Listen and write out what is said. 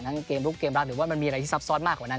เกมลุกเกมรักหรือว่ามันมีอะไรที่ซับซ้อนมากกว่านั้น